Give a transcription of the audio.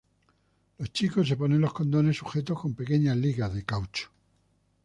Los chicos se ponen los condones sujetos con pequeñas ligas de caucho.